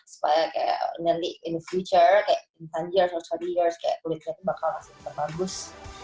supaya kayak nanti in the future kayak in sepuluh years or dua puluh years kulitnya tuh bakal masih lebih bagus